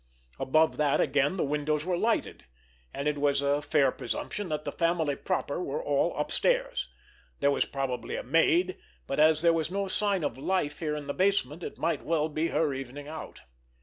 Above that again the windows were lighted, and it was a fair presumption that the family proper were all upstairs. There was probably a maid, but as there was no sign of life here in the basement it might well be her evening out.